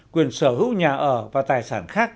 quyền sở hữu nhà ở và tài sản khác